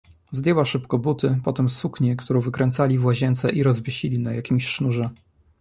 Zdjęła szybko buty, potem suknię, którą wykręcali w łazience i rozwiesili na jakimś sznurze.